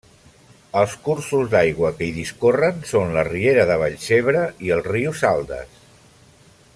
Els cursos d'aigua que hi discorren són la riera de Vallcebre i el riu Saldes.